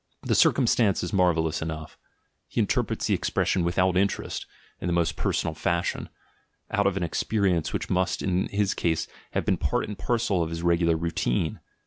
The circumstance is marvellous enough: he interprets the expression, "without interest," in the most personal fashion, out of an experience which must in his case have been part and parcel of his regular routine.